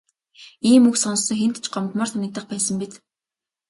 Ийм үг сонссон хэнд ч гомдмоор санагдах байсан биз.